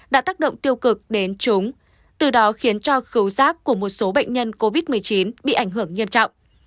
đã tác động tiêu cực đến chúng từ đó khiến cho cứu giác của một số bệnh nhân covid một mươi chín bị ảnh hưởng nghiêm trọng